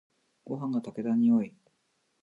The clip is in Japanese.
ごはんが炊けた匂い。